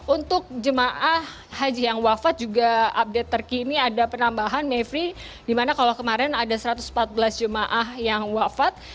untuk jemaah haji yang wafat juga update terkini ada penambahan mevri di mana kalau kemarin ada satu ratus empat belas jemaah yang wafat